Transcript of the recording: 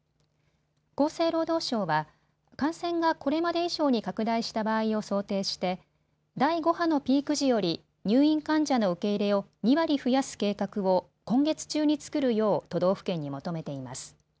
厚生労働省は感染がこれまで以上に拡大した場合を想定して第５波のピーク時より入院患者の受け入れを２割増やす計画を今月中に作るよう都道府県に求めています。